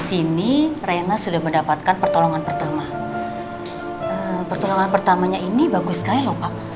sini rena sudah mendapatkan pertolongan pertama pertolongan pertamanya ini bagus sekali lho pak